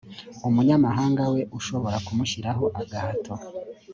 umunyamahanga we ushobora kumushyiraho agahato